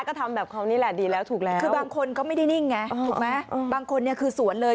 ก็ทำแบบเขานี่แหละดีแล้วถูกแล้วคือบางคนก็ไม่ได้นิ่งไงถูกไหมบางคนเนี่ยคือสวนเลย